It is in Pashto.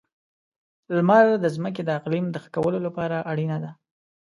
• لمر د ځمکې د اقلیم د ښه کولو لپاره اړینه ده.